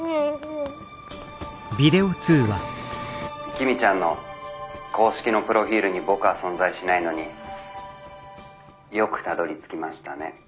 「公ちゃんの公式のプロフィールに僕は存在しないのによくたどりつきましたね」。